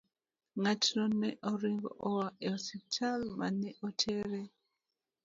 Ng'atno ne oringo oa e osiptal ma ne otere.